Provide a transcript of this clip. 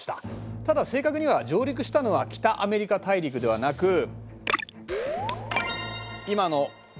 ただ正確には上陸したのは北アメリカ大陸ではなく。